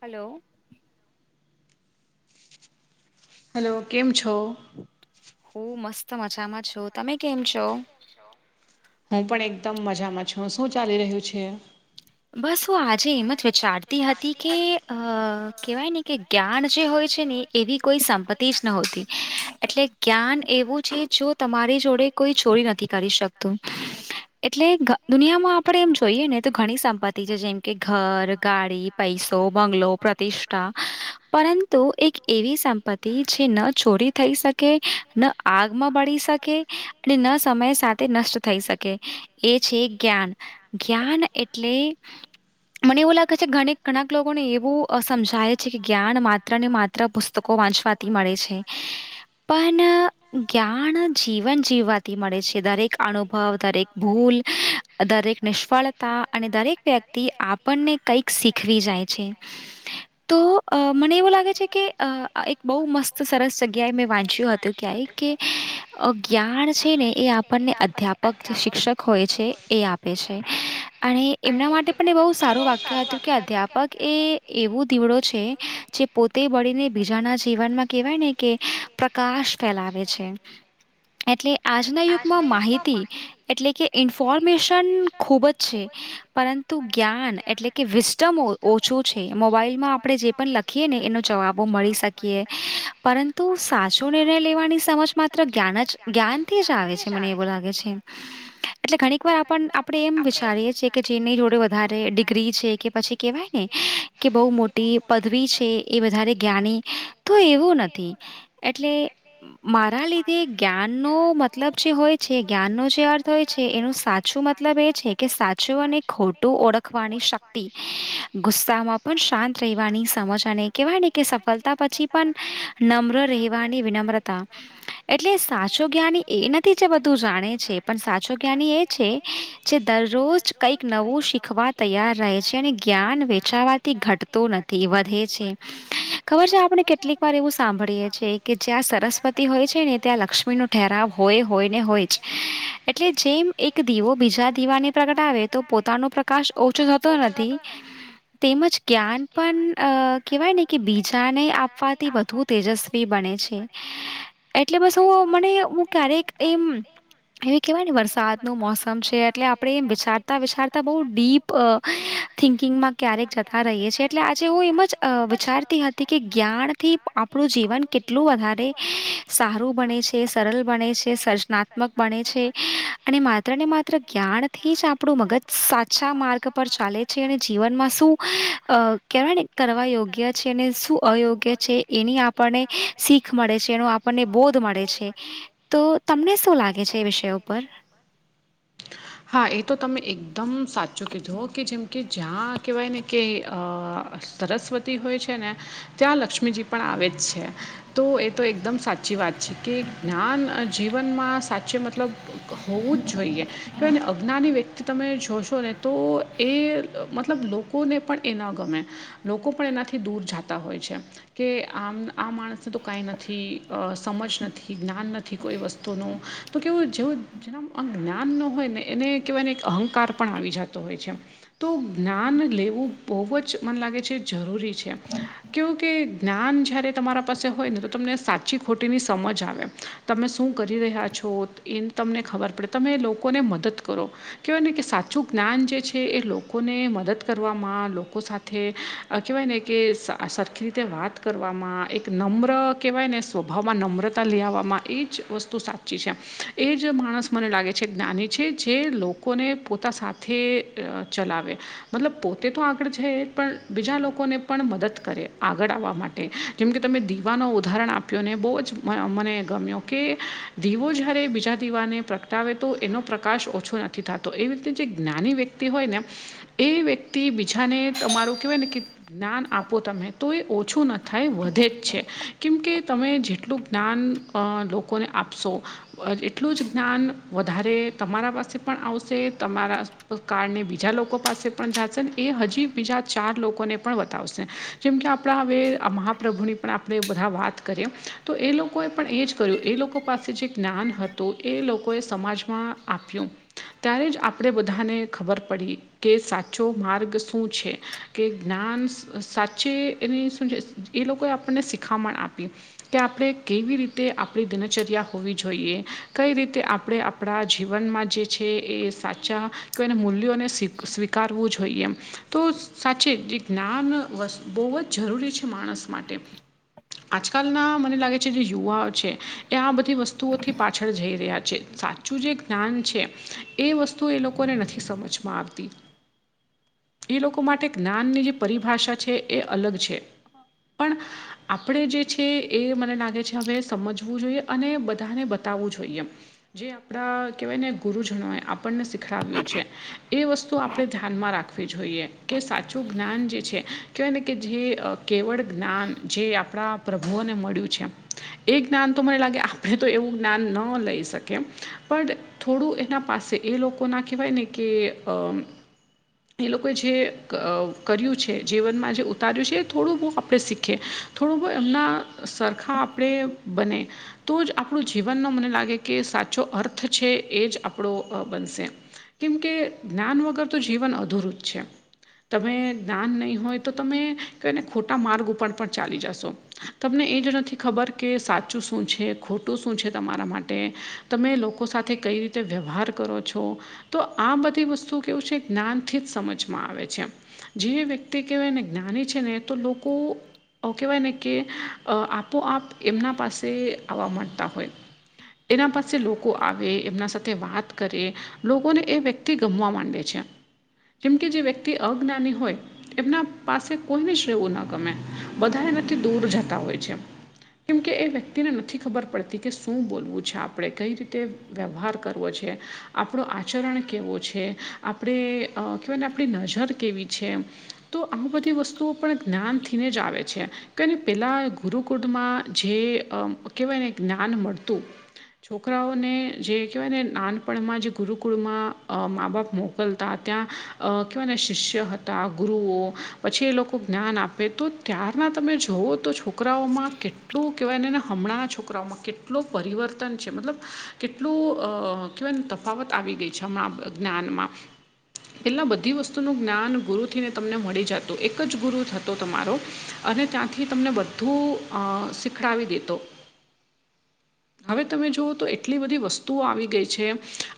Hello. Hello, કેમ છો? હું મસ્ત મજામાં છું. તમે કેમ છો? હું પણ એકદમ મજામાં છું. શું ચાલી રહ્યું છે? બસ હું આજે એમ જ વિચારતી હતી કે અહ કહેવાય ને કે જ્ઞાન જે હોય છે ને એ એવી કોઈ સંપત્તિ જ નહોતી. એટલે જ્ઞાન એવું છે જો તમારી જોડે કોઈ છોરી નથી કરી શકતું. એટલે ઘ દુનિયામાં આપણે એમ જોઈએ ને તો ઘણી સંપત્તિ છે જેમ કે ઘર ગાડી, પૈસો, બંગલો, પ્રતિષ્ઠા, પરંતુ એક એવી સંપત્ત તિ, જે ન ચોરી થઈ શકે, ન આગમાં બળી શકે ને ન સમય સાથે નષ્ટ થઈ શકે, એ છે જ્ઞાન. જ્ઞાન એટલે મને એવું લાગે છે ઘનેક ઘણાક લોકોને એવું સમજાય છે કે જ્ઞાન માત્ર ને માત ત્ર પુસ્તકો વાંચવાથી મળે છે. પન જ્ઞાન જીવન જીવવાથી મળે છે. દરેક અનુભવ, દરેક ભૂલ, દરેક નિષ્ફળતા અને દરેક વ્યક્તિ આપણને કંઈક શીખવી જાય છે. તો અહ મને એવું લાગે છે કે અહ એક બહુ મસ્ત સરસ જગ્યાએ મેં વાંચ્યું હતું ક્યાંય, કે અહ જ્ઞાન છે ને એ આપણને અધ્યાપક જે શિક્ષક હોય છે એ આપ પે છે. અને એમના માટે પણ એ બહું સારું વાક્ય હતું કે અધ્યાપક એ એવું દીવડો છે જે પોતે વળીને ળીને બીજાના જીવનમાં કેવાય ને કે પ્રકાશ ફેલાવે છે. એટલે આજના યુગમાં માહિતી એટલે કે ઇન્ફોર્મેશન ખૂબ જ છે. પરંતુ જ્ઞાન એટલે કે વિસ્ટમો ઓછો છે મોબાઈલમાં આપણેે જે પણ લખીએ ને એનો જવાબો મળી શકે.. પરંતુ સાચો નિર્ણય લેવાની સમજ માત્ર જ્ઞાન જ જ્ઞાન આવે છે મને એવું લાગે છે એટલે ઘણીક વાર આપણે એમ વિચારીએ કે જેને જોડે વધ વધારે ડિગ્રી છે, કે પછી કેહેવાય ને કે બહુ મોટી પદવી છે એ વધારે જ્ઞાની તો એવું નથી એટલે મારા લીધે જ્ઞાન નો મતલબ જે હોય છે જ્ઞાનનો જે અર્થ હોય છે એનું સાચું મતલબ એ છે કે સાચો ખોટું ઓળખ ગુસ્સામાં પણ શાંત રહેવાની સમજ અને કેવાયને કે સફળતા પછી નમ્ર રહેવાની વિનમ્રતા એટલે સાચું જ્ઞાની એ નથી જે બધું જાણે છે પણ સાચું જ્ઞની એ છે જે દરરોજ કઈક નવું શ શીખવા તૈયાર રહે છે, અને જ્ઞાન વેચાવાથી ઘટતું નથી વધે છે. ખબર છે આપણે કેટલીક વાર એવું સાંભળીએ છીએ કે જ્યાં સરસ્વતી હોય છે ને ત્યાં લક્ષ્મીનું ઠેરાવ હોય હોય ને હોય જ એટલે જેમ એક દીવો બીજા દીવાને પ્રગ આવે તો પોતાનો પ્રકાશ ઓછો થતો નથ તેમજ જ્ઞાન પણ અ કહેવાય ને કે બીજાને આપવાથી વધુ તેજસ્વી બને છે એટલે બસ હું મને હું ક્યારેક એમ એવી કેહેવાય ને વરસાદનું મોસમ છે એટલે આપડણે એમ વિચારતા વિચારતા [unintelligible] ક્યારેક જતા રહીએ છી એટલે આજે હ એમ જ વિચારતી હતી તે કે જ્ઞાનથી આપણું જીવન કેટલું વધારે સારું બને છે. સરળ બને છે, સજનાત્મક બને છે, અને માત્ર ને માત્ર જ્ઞાનથી જ આપ આપણું મગજ સાચા માર્ગ પર ચાલે છે અને જીવનમાં શું અ કહેવાય ને કરવા યોગ્ય છે અને શું અયોગ્ય છે એની આપણને શીખ મળે છે, એનું જેનો આપણને બોધ મળે છે, તો તમને શું લાગે છે એ વિષયો પર? હા એ તો તમે એકદમ સાચું કીધું કે જેમ કે જ્યાં કહેવાય ને કે સરસ્વતી હોય છે ને ત્યાં લક્ષ્મીજી પણ આવે જ છે તો એ તો એકદમ સાચું સાચી વાત છે કે જ્ઞાન જીવનમાં સાચે મતલબ હોવું જ જોઈએ. કેયને અજ્ઞાની વ્યક્તિ તમે જો જોશોને તો એ મતલબ લોકોને પણ એ ન ગમે લોકો પણ એનાથી દૂર જતા હોય છે કે આમ આ માણસને તો કાંઈ નથી સમજ નથી જ્ઞાન નથી કોઈ વસ્તુનું તો કેવું જેવ જે જ્ઞાન ન હોય ને એને કહેવાય ને અં પણ આવી જતો હોય છે તો જ્ઞાન લેવું બહુ જ મને લાગે છે જરૂરી [unintelligible] જ્ઞાન જ્યારે તમારા પાસે હોય ને તો તમને સાચી ખોટીની સમજ આવે તમે શું કરી રહ્યા છો એ તમને ખબર પડે તમે એ લોકોને મદદ કરો કહેવાય ને કે સા પાછું જ્ઞાન જે છે એ લોકોને મદદ કરવામાં લોકો સાથે કહેવાય ને કે આ સરખી રીતે વાત કરવામાં એક નમ્ર કહેવાય ને સ્વભાવમાં નમ્રતા લેવામાં એ જ વસ્તુ સાચી છે એજ માણસ મને લાગે છે જ્ઞાની છે જે લોકોને તા સાથે ચલાવે મતલબ પોતે તો આગળ છે પણ બીજા લોકોને પણ મદદ કરે આગળ આવવા માટે. કેમકે તમે દીવાનો ઉદાહરણ આપ્યોને બહુ જ મ મને ગમ્યો કે દીવો જ્યારે બીજા દીવાને પ્રગટાવે તો એનો પ્રકાશ ઓછો નથી થતો એવી રીતે જે જ્ઞાની વ્યક્તિ હોય ને એ વ્યક્તિ બીજાને તમારું કેહેવાય ને કે જ્ઞાન આપો તમે તો એ ઓછું ન થાય વધે જ છે કેમકે તમે જેટલું જ્ઞાન લોકોને આપશો એટલું જ જ્ઞાન વધારે તમારા પાસે પણ આવશે તમારા કારળને બીજા લોકો પાસે પણ જાશે ને એ હજી બીજા ચાર લોકોને પણ બતાવશે જેમ કે આપણા હવે મહાપ્રભુની પણ આપણે બધા વાત કરીએ તો એ લોકોએ પણ એ જ કર્યું એ લોકો પાસે જે જ્ઞાન હતું. તો એ લોકોએ સમાજમાં આપ્યું ત્યારે જ આપ આપણે બધાને ખબર પડી કે સાચો માર્ગ શું છે. કે જ્ઞાન સાચે એની શું છે એ લોકોએ આપણને શિખામણ આપી કે આપણે કેવી રીતે આપણી દિનચર્યા હોવી જોઈએ કઈ રીતે આપણે આપણા જીવનમાં જે છે એ સાચા કે એને મૂલ્યોને સ્વીકારવું જોઈએ એમ તો સાચ જે જ્ઞાન વસ્તુ બહુ જ જરૂરી છે માણસ માટે આજકાલના મને લાગે છે જે યુવા છે એ આ બધી વસ્તુઓથી પાછળ જઈ રહ્યા છે. સાચું જે જ્ઞાન છે એ વસ્તુ એ લોકોને નથી સમજમાં આવતી એ લોકો માટે જ્ઞાનની જે પરિભાષા છે એ અલગ છે, પણ આપણે જે છે એ મને લાગે છે હવે સમજવું જોઈએ અને બધાને બતાવવું જોઈએ જે આપડા કેહેવાય ને ગુરુજનોએ આપણને શીખડાવ્યું છે. એ વસ્તુ આપણે ધ્યાનમાં રાખવી જોઈએ કે સાચું જ્ઞાન જે છે.. કહેવાય ને કે જે કેવળ જ્ઞાન જે આપણા પ્રભુઓને મળ્યું છે. એ જ્ઞાન તો મને લાગે આપણે તો એવું જ્ઞાન ન લઈ શકીએ પણ થોડું એના પાસે એ લોકો ના કહેવાય ને કે એ લોકોએ જે કર્યું છે જીવનમાં જે ઉતાર્યું છે એ થોડું બહુ આપણે શીખીએ થોડું બહ એમના સરખાં આપણે બને તો જ આપણું જીવનનો મને લાગે કે સાચો અર્થ છે એ જ આપણો બનશે કેમ કે જ્ઞાન વગર તો જીવન અધુરું જ છે. તમે દ્ઞાન નહીં હોય તો તમે કય ને ખોટા માર્ગ ઉપર પણ ચાલી જશો તમને એ જ નથી ખબર કે સાચું શું છે ખોટું શું છે તમારા માટે તમે લોકો સાથે કઈ રીતે વ્યવહાર કરો છો તો આ બધી વસ્તુ કેવું છે જ્ઞાનથી જ સમજમાં આવે છે. જે વ્યક્તિ કહેવાય ને જ્ઞાની છે ને તો લોકો કેહેવાય ને કે આપોઆપ એમના પાસે આવવા માંડતા હોય એના પાસે લોકો આવે એમના સાથે વાત કરી લોકોને એ વ્યક્તિ ગમવા માંડે છે. જેમ કે જે વ્યક્તિ અજ્ઞાની હોય. એમના પાસે કોઈની શ્રેવું ના ગમે બધા એનાથી દૂર જતા હોય છે. કેમ કે એ વ્યક્તિને નથી ખબર પડતી કે શું બોલવું છે આપડણે કઈ રીતે વ્યવહાર કરવો છે. આપણો આચરણ કેવો છે આપણે કહેવાય ને આપણી નજર કેવી છે. તો આ બધી વસ્તુઓ પણ જ્ઞાન થીને જ આવે છે. તોને પેલા ગુરુકુળમાં જે કહેવાય ને જ્ઞાન મળતું છોકરાઓને જે કહેવાય ને નાન પણમાં જે ગુરુકુળમાં મા બાપ મોકલતા ત્યાં કહેવાય ને શિષ્ય હતા ગુરુઓ પછી એ લોકો જ્ઞાન આપે તો ત્યારમાં તમે જોવો તો છો. છોકરાઓમાં કેટલું કહેવાય નેને હમણાં છોકરાઓમાં કેટલું પરિવર્તન છે, મતલબ કેટલું કને તફાવત આવી ગઈ છે, હમણાં જ્ઞાનમાં એટલા બધી વસ્તુનું જ્ઞાન ગુરુથીને તમને મળી જતું એક જ ગુરુ થતો તમારો અને ત્યાંથી તમને બધું શીખડાવી દેતો હવે તમે જુઓ તો એટલી બધી વસ્તુઓ આવી ગઈ છે.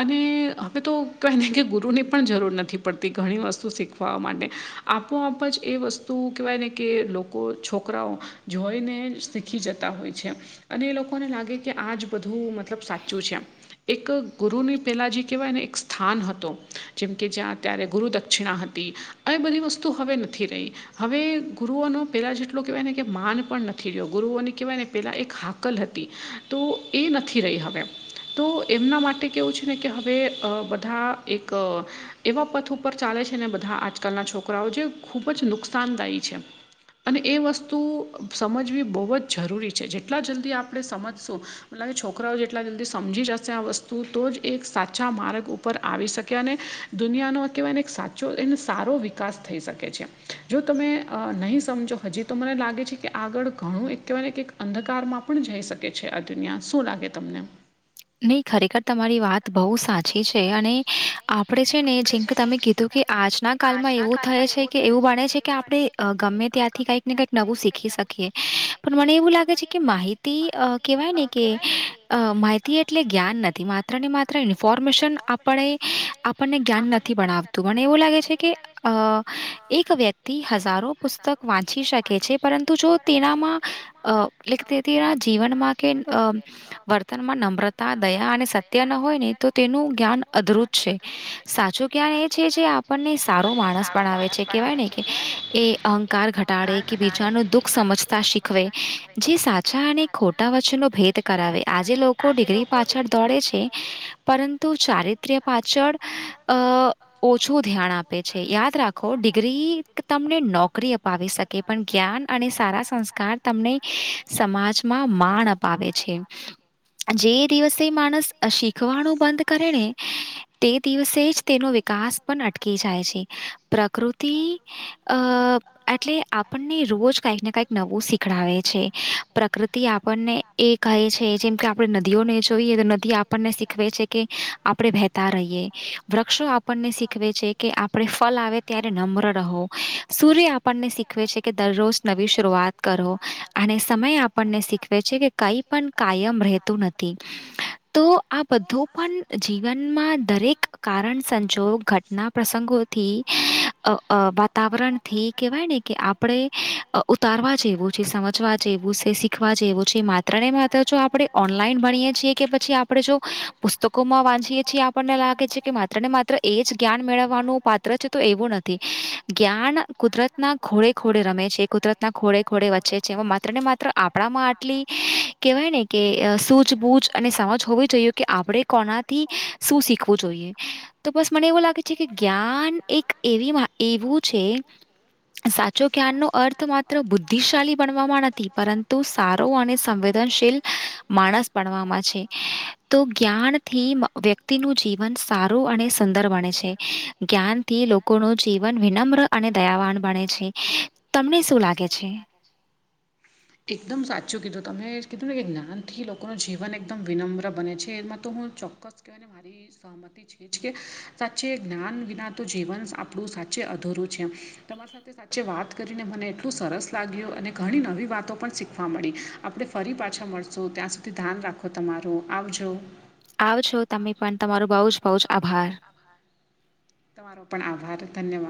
અને હવે તો કહેવા ને કે ગુરુની પણ જરૂર નથી પડતી ઘણી વસ્તુ શીખવા ખવા માટે આપોઆપ જ એ વસ્તુ કેહેવાય ને કે લોકો છોકરાઓ જોઈને શીખી જતા હોય છે. અને એ લોકોને લાગે કે આજ બધું મતલબ સાચું છેમ. એક ગુરુની પહેલાં જે કહેવાય ને એક સ્થાન હતો જેમ કે જ્યાંત્યારે ગુરુદક્ષિણા હતી આ એ બધી વસ્તુ હવે નથી રહી. હવે ગુરુઓનો પહેલા જેટલો કહેવાય ને કે માન પણ નથી રહયો ગુરુઓને કેહેવાય ને પેલા એક હાથ. કલ હતી તો એ નથી રહી હવે તો. એમના માટે કેવું છે ને કે હવે બધા એક એવા પથ ઉપર ચાલે છે ને બધા આજકાલના છોકરાઓ જે ખૂબ જ નુકસાનદાયી છે અને એ વસ્તુ સમજવી બહુ જ જરૂરી છે જેટલા જલ્દી આપણે સમજશું મ કે છોકરાઓ જેટલા જલ્દીથી સમજી જ વસ્તુ તો જ એક સાચા માર્ગ ઉપર આવી શકે અને દુનિયાનો કહેવાય એક સાચો. જો એનો સારો વિકાસ થઈ શકે છે જો તમે નહીં સમજો હજી તો મને લાગે છે કે આગળ ઘણું એક કહેવાય કે અંધકારમાં પણ જઈ શકે છે આ દુનિયા શું લાગે તમને નહી ખરેખર તમારી વાત બહુ સાચી છે અને આપણે છે ને જેમ કે તમે કીધું કે આજના કળમાં એવું થાય છે કે એવું બને છે કે આપણે ગમે ત્યાંથી કંઈક ને કઈક નવું શીખી શકીએ પણ મને એવું લાગે છે કે માહિત કહેવાય ને કે માહિતી એટલે જ્ઞાન નથી માત્ર ને માત્ર ઇન્ફોર્મેશન આપ આપણ નથીતું મને એવું લાગે છે કે એક વ્યક્તિ હજારો પુસ્તક વાંચી શકે છે પરંતુ જો તેનામાં એલે તે તેના જીવનમાં કે વર્તનમાં નમર દયા અને સત્ય ના હોય ને તો તેનું જ્ઞાન અદુત છે સાચું. એ છે જે આપણને સારો માણસ પણ આવે છે કેવાય ને કે એ અહંકાર ઘટ કે બીજા ન દુઃખ સમજતા શીખવે જે સાચા અને ખોટા વચ્ચેનો ભેદ કરાવે આજે લોકો ડિગ્રી પાછળ દોડે છે પરંતુ ચારિત્ર્ય પાછળ અ ઓછું ધ્યાન આપે છે યાદ રાખો ડિગ્રી તમને નોકરી પાવી શકે પણ જ્ઞાન અને સારા સંસ્કાર તમને સમાજમાં માણ પાવે છે. જે દિવસે માણસ શીખવાનું બંધ કરે ને તે દિવસે જ તેનો વિકાસ પણ અટકી જાય છે પ્રકૃતિ અ એટલે આપણને રોજ કઈક ને કઈક નવું શીખડાવે છે પ્રકૃતિ આપણને એ કહે છે જેમ કે આપણે નદીઓ નહી જોઈએ તો નદી આપણને શીખવે છે કે આપડે વહેતા રહીએ વૃક્ષો આપ આપને શીખવે છે કે આપણે ફલ આવે ત્યારે નમ્ર રહો સૂર્ય આપણને શીખવે છે કે દરરોજ નવી શરૂઆત કરો અને સમય આપણને શીખવે છે કે કઈ પણ કાયમ રહેતું નથી તો આ બધ પણ જીવનમાં દરેક કારણ સંજોગ ઘટના પ્રસંગોથી અ વાતાવરણથી કેવાય ને કે આપણેે ઉતારવા જેવું છે સમજવા. જેવું છે શીખવા જેવું છે માત્ર આપણે ઓનલાઈન ભણીએ છએ કે પછી આપણે જો પુસ્તકોમાં વાંચીએ છીએ આપને કે માત્ર ને માત્ર એ જ જ્ઞાન મેળવવાનું પાત્ર છે તો એવું નથી જ્ઞાન કુદરતના ઘોળે ખોડે રમે છે કુદરતના ઘોળે ખોળે વચ્ચે છે એમાં માત્ર ને માત્ર આપણામાં આટલી. કહેવાય ને કે સૂજબૂજ અને સમજ હોવી જોઈએ કે આપણે કોનાથી શું શીખવું તો બસ મને એવું લાગે છે કે જ્ઞાન એક એ એવું છે સાચો જ્ઞાન નો અર્થ માત્ર બુદ્ધિશાળલી બનવામાં નથી પરંતુ સારો અને સંવેદ માણસવામાં છે તો જ્ઞાનથી વ્યક્તિનું જીવન સારું અને સુંદર બને છે જ્ઞાનથી લોકોનું જીવન વિનમ્ર અને દયાવાન બણે છે તમને શું લાગે છે [inaudible] એકદમ સાચું કીધું તમે કીધું ને કે જ્ઞાનથી લોકોનું જીવન એકદમ વિનમ્ર બને છે. એમાં તો હું ચોક્કસ ને મારી સહમતી સા જ્ઞાન વિના તો જીવન આપણું સાચે અધૂરું છે તમારા સાચે વાત કરીને મને એટલું સરસ લાગ્યું અને ઘણી નવી વાતો પણ શીખવા મળી આપણે ફરી પાછા મળશું ત્યાં સુધી ધ્યાન રાખો તમારું આવજો આવજો તમે પણ તમારો બહુ જ બહ જ આભાર તમારો પણ આભાર ધન્યવાદ